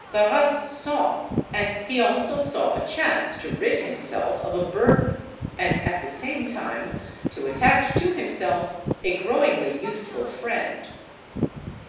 Barras saw; and he also saw a chance to rid himself of a burden and at the same time to attach to himself a growingly useful friend.